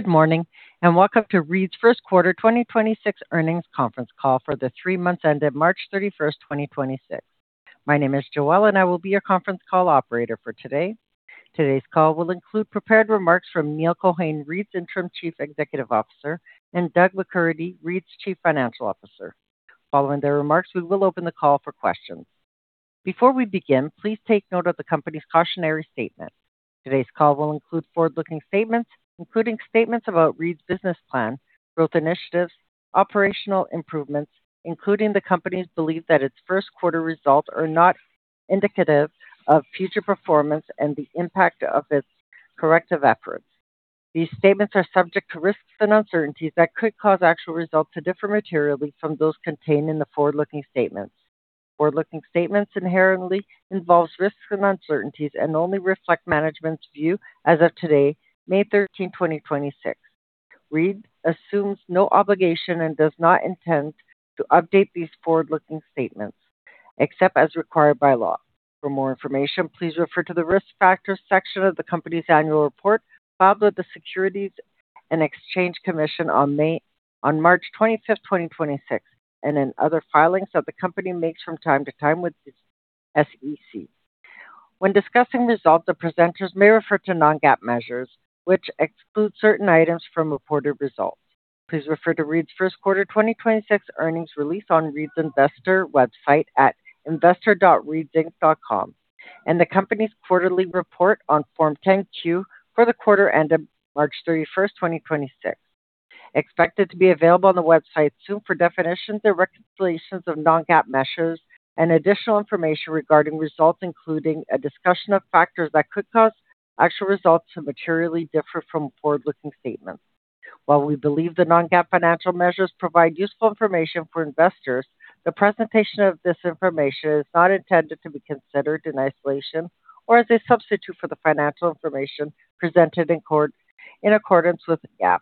Good morning, and welcome to Reed's Q1 2026 Earnings Conference Call for the three months ended March 31st, 2026. My name is Joelle, and I will be your conference call Operator for today. Today's call will include prepared remarks from Neal Cohane, Reed's Interim Chief Executive Officer, and Doug McCurdy, Reed's Chief Financial Officer. Following their remarks, we will open the call for questions. Before we begin, please take note of the company's cautionary statement. Today's call will include forward-looking statements, including statements about Reed's business plan, growth initiatives, operational improvements, including the company's belief that its Q1 results are not indicative of future performance and the impact of its corrective efforts. These statements are subject to risks and uncertainties that could cause actual results to differ material from those contained in the forward-looking statements. Forward-looking statements inherently involves risks and uncertainties and only reflect management's view as of today, May 13, 2026. Reed's assumes no obligation and does not intend to update these forward-looking statements except as required by law. For more information, please refer to the Risk Factors section of the company's annual report filed with the Securities and Exchange Commission on March 25, 2026, and in other filings that the company makes from time to time with the SEC. When discussing results, the presenters may refer to non-GAAP measures, which exclude certain items from reported results. Please refer to Reed's Q1 2026 earnings release on Reed's investor website at investor.reedsinc.com and the company's quarterly report on Form 10-Q for the quarter ended March 31, 2026. Expected to be available on the website soon for definitions and reconciliations of non-GAAP measures and additional information regarding results, including a discussion of factors that could cause actual results to materially differ from forward-looking statements. While we believe the non-GAAP financial measures provide useful information for investors, the presentation of this information is not intended to be considered in isolation or as a substitute for the financial information presented in accordance with GAAP.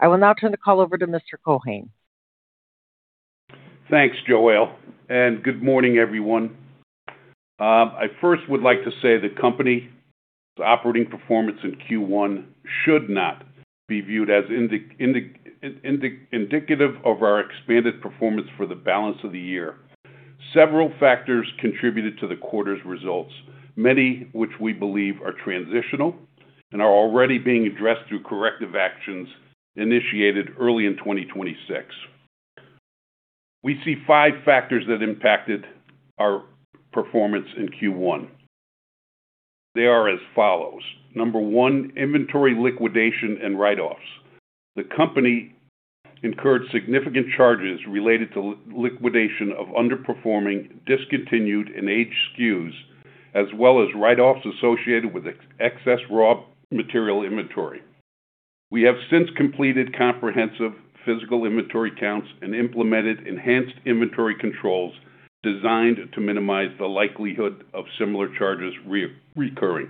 I will now turn the call over to Mr. Cohane. Thanks, Joelle, and good morning, everyone. I first would like to say the company's operating performance in Q1 should not be viewed as indicative of our expected performance for the balance of the year. Several factors contributed to the quarter's results, many which we believe are transitional and are already being addressed through corrective actions initiated early in 2026. We see five factors that impacted our performance in Q1. They are as follows. Number 1, inventory liquidation and write-offs. The company incurred significant charges related to liquidation of underperforming, discontinued, and aged SKUs, as well as write-offs associated with excess raw material inventory. We have since completed comprehensive physical inventory counts and implemented enhanced inventory controls designed to minimize the likelihood of similar charges recurring.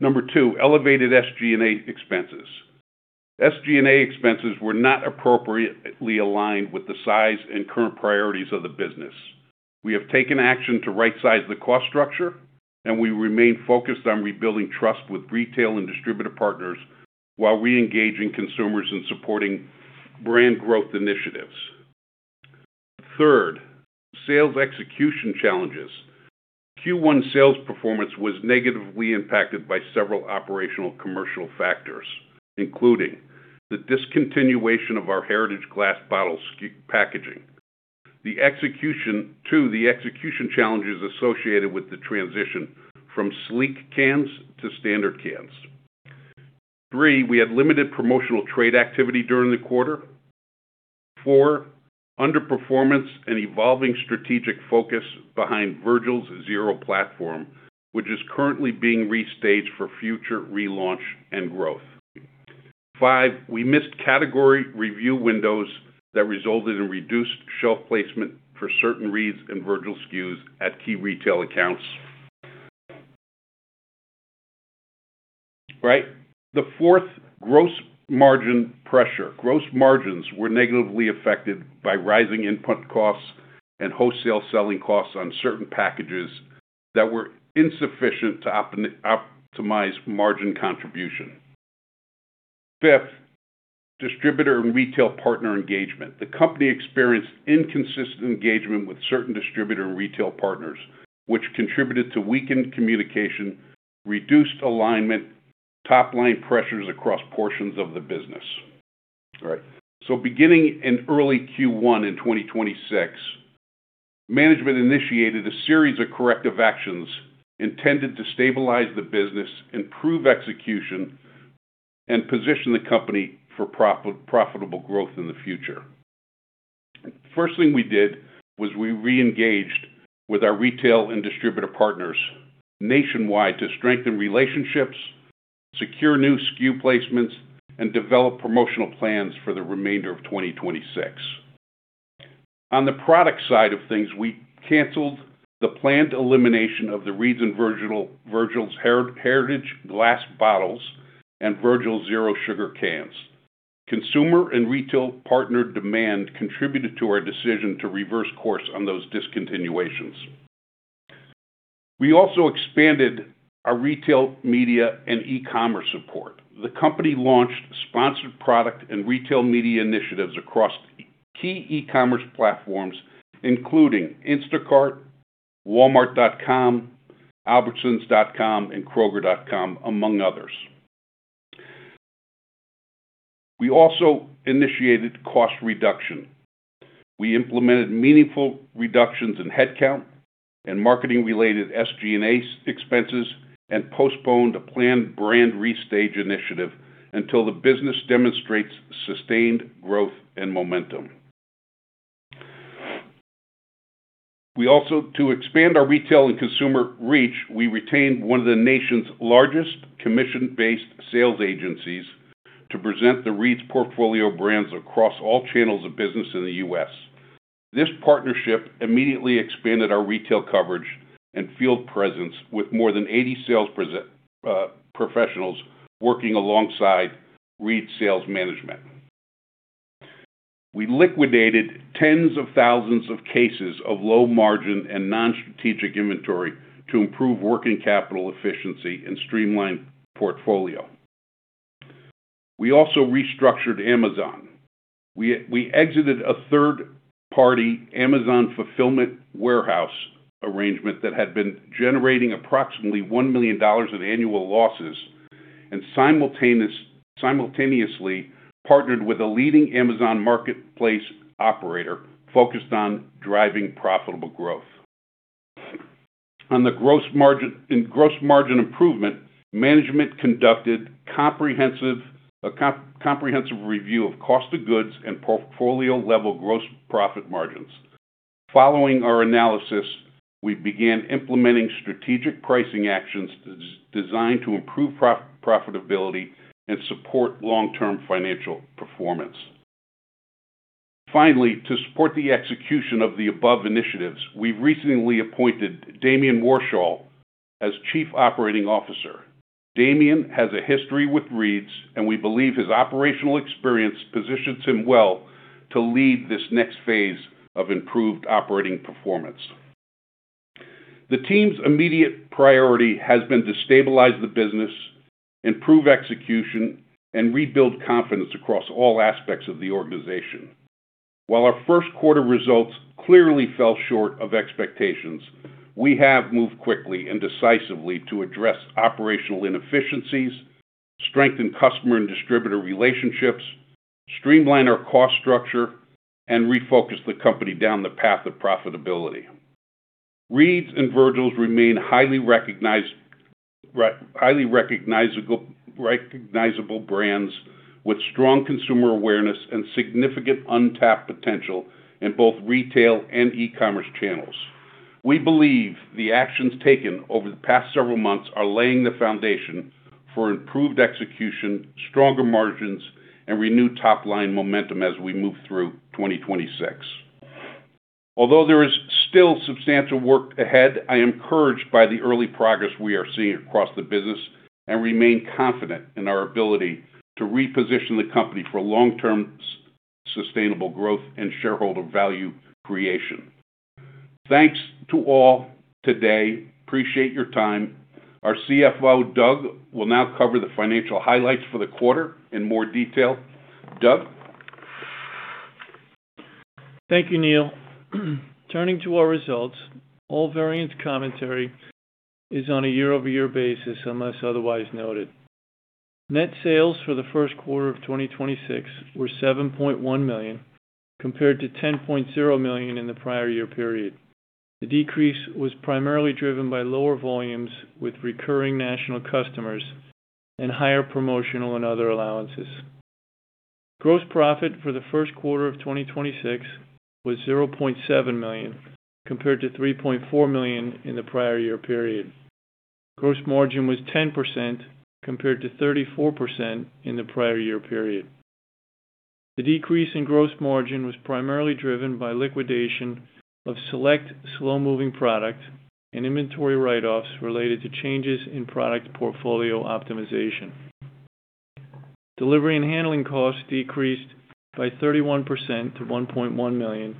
Number 2, elevated SG&A expenses. SG&A expenses were not appropriately aligned with the size and current priorities of the business. We have taken action to rightsize the cost structure, and we remain focused on rebuilding trust with retail and distributor partners while re-engaging consumers in supporting brand growth initiatives. Third, sales execution challenges. Q1 sales performance was negatively impacted by several operational commercial factors, including the discontinuation of our heritage glass bottle SKU packaging. Two, the execution challenges associated with the transition from sleek cans to standard cans. Three, we had limited promotional trade activity during the quarter. Four, underperformance and evolving strategic focus behind Virgil's Zero platform, which is currently being restaged for future relaunch and growth. Five, we missed category review windows that resulted in reduced shelf placement for certain Reed's and Virgil's SKUs at key retail accounts. Right. The fourth, gross margin pressure. Gross margins were negatively affected by rising input costs and wholesale selling costs on certain packages that were insufficient to optimize margin contribution. Fifth, distributor and retail partner engagement. The company experienced inconsistent engagement with certain distributor and retail partners, which contributed to weakened communication, reduced alignment, top-line pressures across portions of the business. All right. Beginning in early Q1 in 2026, management initiated a series of corrective actions intended to stabilize the business, improve execution, and position the company for profitable growth in the future. First thing we did was we re-engaged with our retail and distributor partners nationwide to strengthen relationships, secure new SKU placements, and develop promotional plans for the remainder of 2026. On the product side of things, we canceled the planned elimination of the Reed's and Virgil's heritage glass bottles and Virgil's Zero Sugar cans. Consumer and retail partner demand contributed to our decision to reverse course on those discontinuations. We also expanded our retail media and e-commerce support. The company launched sponsored product and retail media initiatives across key e-commerce platforms, including Instacart, walmart.com, albertsons.com, and kroger.com, among others. We also initiated cost reduction. We implemented meaningful reductions in headcount and marketing-related SG&A expenses and postponed a planned brand restage initiative until the business demonstrates sustained growth and momentum. We also, to expand our retail and consumer reach, we retained one of the nation's largest commission-based sales agencies to present the Reed's portfolio brands across all channels of business in the U.S. This partnership immediately expanded our retail coverage and field presence with more than 80 sales professionals working alongside Reed's sales management. We liquidated tens of thousands of cases of low margin and non-strategic inventory to improve working capital efficiency and streamline portfolio. We also restructured Amazon. We exited a third-party Amazon fulfillment warehouse arrangement that had been generating approximately $1 million of annual losses and simultaneously partnered with a leading Amazon Marketplace operator focused on driving profitable growth. In gross margin improvement, management conducted a comprehensive review of cost of goods and portfolio-level gross profit margins. Following our analysis, we began implementing strategic pricing actions designed to improve profitability and support long-term financial performance. Finally, to support the execution of the above initiatives, we recently appointed Damian Warshall as Chief Operating Officer. Damian has a history with Reed's, and we believe his operational experience positions him well to lead this next phase of improved operating performance. The team's immediate priority has been to stabilize the business, improve execution, and rebuild confidence across all aspects of the organization. While our Q1 results clearly fell short of expectations, we have moved quickly and decisively to address operational inefficiencies, strengthen customer and distributor relationships, streamline our cost structure, and refocus the company down the path of profitability. Reed's and Virgil's remain highly recognizable brands with strong consumer awareness and significant untapped potential in both retail and e-commerce channels. We believe the actions taken over the past several months are laying the foundation for improved execution, stronger margins, and renewed top-line momentum as we move through 2026. Although there is still substantial work ahead, I am encouraged by the early progress we are seeing across the business and remain confident in our ability to reposition the company for long-term sustainable growth and shareholder value creation. Thanks to all today. Appreciate your time. Our CFO, Doug, will now cover the financial highlights for the quarter in more detail. Doug? Thank you, Neal. Turning to our results, all variance commentary is on a year-over-year basis, unless otherwise noted. Net sales for the Q1 of 2026 were $7.1 million, compared to $10.0 million in the prior year period. The decrease was primarily driven by lower volumes with recurring national customers and higher promotional and other allowances. Gross profit for the Q1 of 2026 was $0.7 million, compared to $3.4 million in the prior year period. Gross margin was 10% compared to 34% in the prior year period. The decrease in gross margin was primarily driven by liquidation of select slow-moving product and inventory write-offs related to changes in product portfolio optimization. Delivery and handling costs decreased by 31% to $1.1 million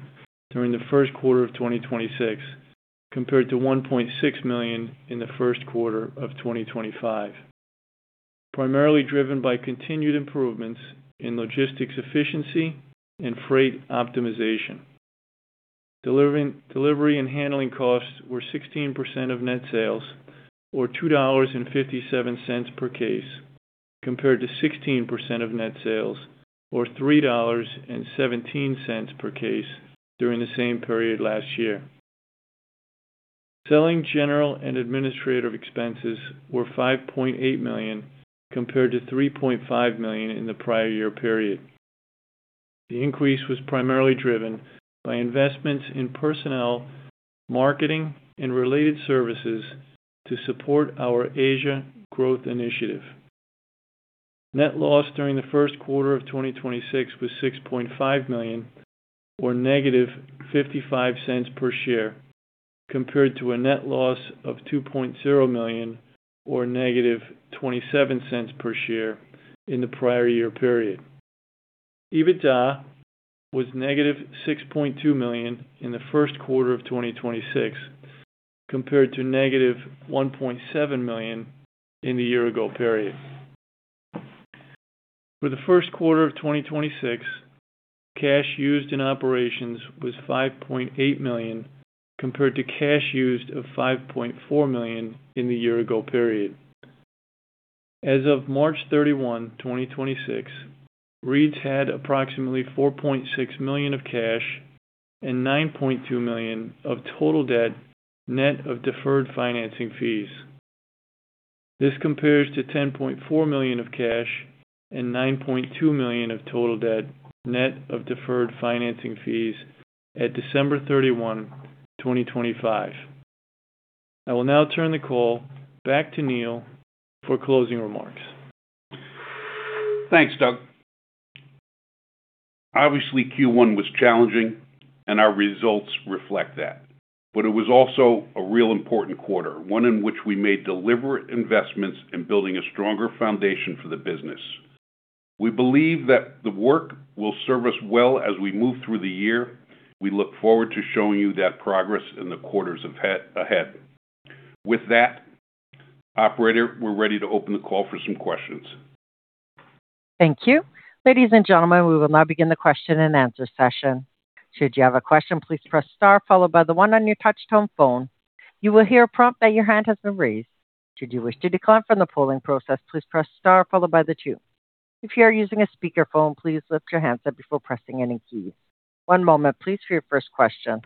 during the Q1 of 2026, compared to $1.6 million in the Q1 of 2025, primarily driven by continued improvements in logistics efficiency and freight optimization. Delivery and handling costs were 16% of net sales or $2.57 per case, compared to 16% of net sales or $3.17 per case during the same period last year. Selling General and Administrative Expenses were $5.8 million compared to $3.5 million in the prior year period. The increase was primarily driven by investments in personnel, marketing, and related services to support our Asia growth initiative. Net loss during the Q1 of 2026 was $6.5 million or negative $0.55 per share, compared to a net loss of $2.0 million or -$0.27 per share in the prior year period. EBITDA was -$6.2 million in the Q1 of 2026, compared to -$1.7 million in the year-ago period. For the Q1 of 2026, cash used in operations was $5.8 million, compared to cash used of $5.4 million in the year-ago period. As of March 31, 2026, Reed's had approximately $4.6 million of cash and $9.2 million of total debt net of deferred financing fees. This compares to $10.4 million of cash and $9.2 million of total debt net of deferred financing fees at December 31, 2025. I will now turn the call back to Neal for closing remarks. Thanks, Doug. Obviously, Q1 was challenging, and our results reflect that. It was also a real important quarter, one in which we made deliberate investments in building a stronger foundation for the business. We believe that the work will serve us well as we move through the year. We look forward to showing you that progress in the quarters ahead. With that, operator, we're ready to open the call for some questions. Thank you. Ladies and gentlemen, we will now begin the question-and-answer session. Should you have a question, please press star followed by the 1 on your touch-tone phone. You will hear a prompt that your hand has been raised. Should you wish to decline from the polling process, please press star followed by the 2. If you are using a speakerphone, please lift your handset before pressing any key. One moment, please, for your first question.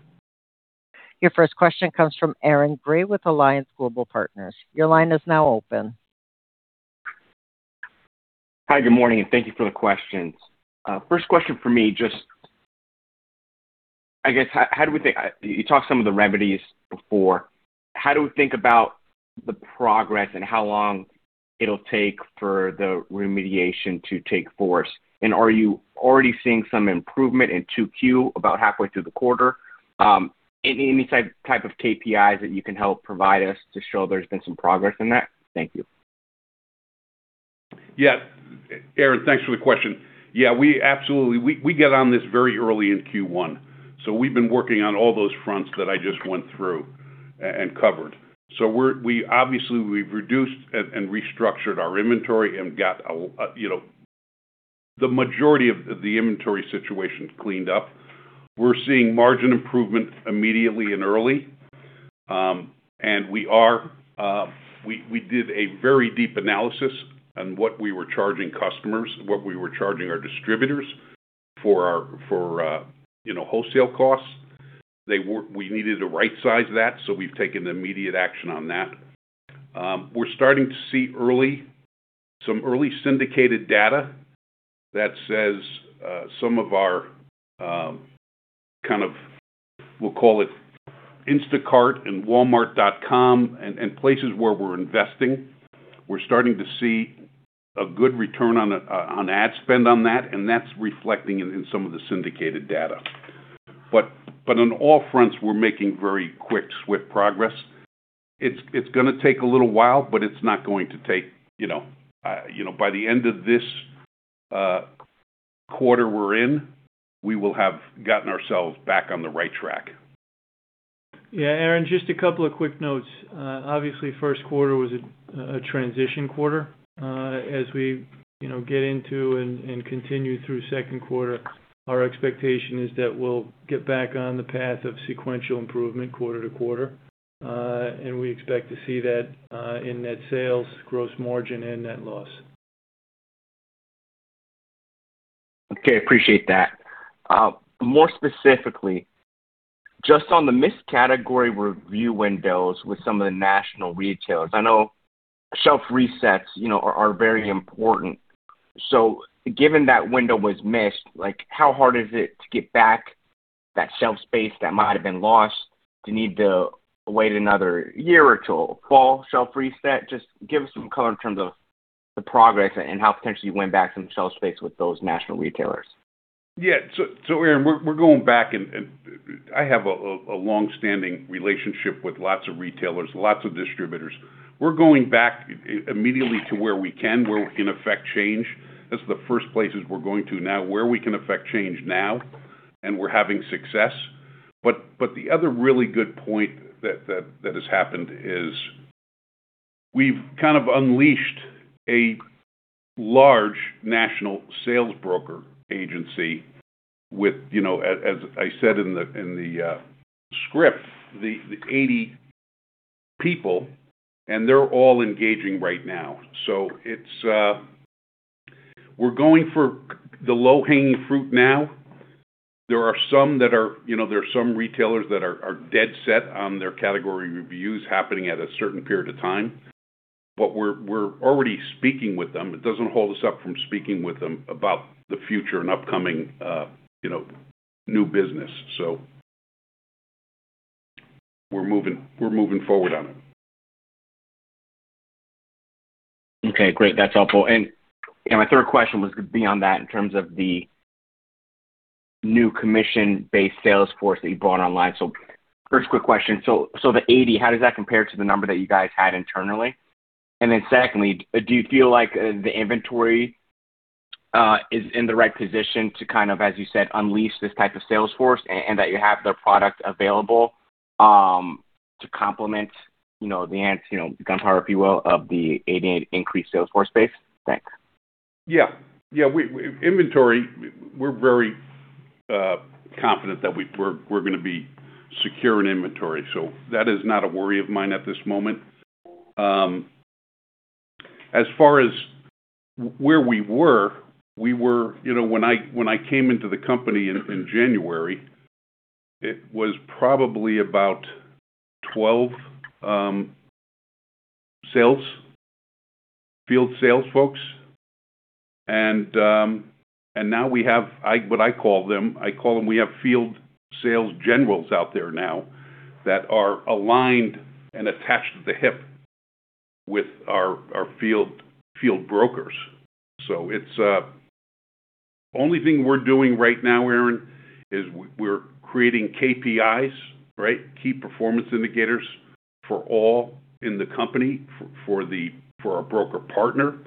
Your first question comes from Aaron Gray with Alliance Global Partners. Your line is now open. Hi, good morning, and thank you for the questions. First question for me, just I guess. You talked some of the remedies before. How do we think about the progress and how long it'll take for the remediation to take force? Are you already seeing some improvement in Q2 about halfway through the quarter? Any type of KPIs that you can help provide us to show there's been some progress in that? Thank you. Yeah. Aaron, thanks for the question. Yeah, we absolutely, we get on this very early in Q1, so we've been working on all those fronts that I just went through and covered. We obviously we've reduced and restructured our inventory and got, you know, the majority of the inventory situation cleaned up. We're seeing margin improvement immediately and early. We are, we did a very deep analysis on what we were charging customers, what we were charging our distributors for our, for, you know, wholesale costs. We needed to rightsize that, so we've taken immediate action on that. We're starting to see early some early syndicated data that says, some of our, kind of, we'll call it Instacart and walmart.com and places where we're investing. We're starting to see a good return on on ad spend on that, and that's reflecting in some of the syndicated data. On all fronts, we're making very quick, swift progress. It's gonna take a little while, but it's not going to take, you know, you know, by the end of this quarter we're in, we will have gotten ourselves back on the right track. Yeah, Aaron, just a couple of quick notes. Obviously, Q1 was a transition quarter. As we, you know, get into and continue through Q2, our expectation is that we'll get back on the path of sequential improvement quarter to quarter. We expect to see that in net sales, gross margin, and net loss. Okay, appreciate that. More specifically, just on the missed category review windows with some of the national retailers. I know shelf resets, you know, are very important. Given that window was missed, like, how hard is it to get back that shelf space that might have been lost? Do you need to wait another year or till fall shelf reset? Just give us some color in terms of the progress and how potentially you win back some shelf space with those national retailers. Aaron, we're going back and I have a longstanding relationship with lots of retailers, lots of distributors. We're going back immediately to where we can affect change. That's the first places we're going to now, where we can affect change now, and we're having success. The other really good point that has happened is we've kind of unleashed a large national sales broker agency with, you know, as I said in the script, the 80 people, and they're all engaging right now. It's we're going for the low-hanging fruit now. There are some that are, you know, there are some retailers that are dead set on their category reviews happening at a certain period of time. We're already speaking with them. It doesn't hold us up from speaking with them about the future and upcoming, you know, new business. We're moving forward on it. Okay, great. That's helpful. My third question was beyond that in terms of the new commission-based sales force that you brought online. First quick question. The 80, how does that compare to the number that you guys had internally? Secondly, do you feel like the inventory is in the right position to kind of, as you said, unleash this type of sales force and that you have the product available to complement, you know, the amount, you know, the gunpowder, if you will, of the 88 increased sales force base? Thanks. Yeah. Yeah. Inventory, we're very confident that we're gonna be secure in inventory. That is not a worry of mine at this moment. As far as where we were, you know, when I came into the company in January, it was probably about 12 sales, field sales folks. Now we have I call them we have field sales generals out there now that are aligned and attached at the hip with our field brokers. It's only thing we're doing right now, Aaron, is we're creating KPIs, right? Key Performance Indicators for all in the company, for our broker partner,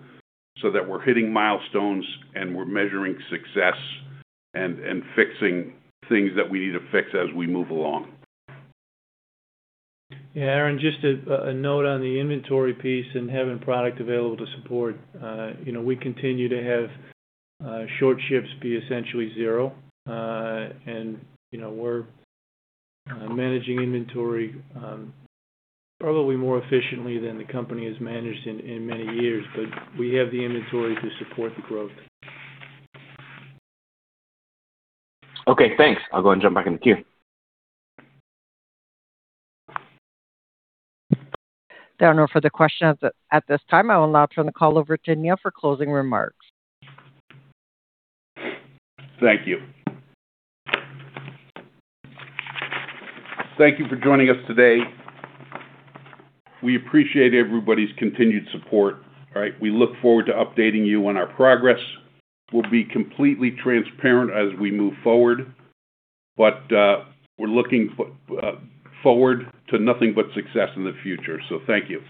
that we're hitting milestones, we're measuring success and fixing things that we need to fix as we move along. Yeah, Aaron, just a note on the inventory piece and having product available to support. You know, we continue to have short ships be essentially zero. You know, we're managing inventory probably more efficiently than the company has managed in many years, but we have the inventory to support the growth. Okay, thanks. I'll go and jump back in the queue. There are no further questions at this time. I will now turn the call over to Neal for closing remarks. Thank you. Thank you for joining us today. We appreciate everybody's continued support. All right. We look forward to updating you on our progress. We'll be completely transparent as we move forward. We're looking forward to nothing but success in the future. Thank you.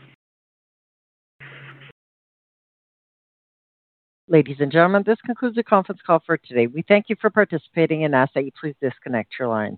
Ladies and gentlemen, this concludes the conference call for today. We thank you for participating and ask that you please disconnect your lines.